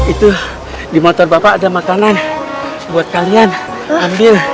itu di motor bapak ada makanan buat kalian ambil